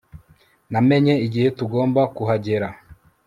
Namenye igihe tugomba kuhagera